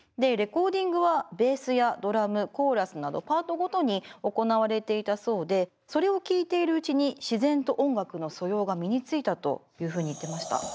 レコーディングはベースやドラムコーラスなどパートごとに行われていたそうでそれを聴いているうちに自然と音楽の素養が身についたというふうに言ってました。